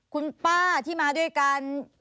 คุณป้าที่มาด้วยกัน